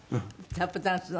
タップダンスの？